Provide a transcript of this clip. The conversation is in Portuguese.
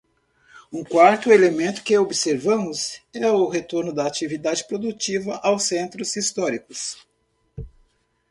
Um quarto elemento que observamos é o retorno da atividade produtiva aos centros históricos.